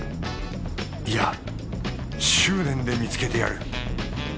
いや執念で見つけてやる。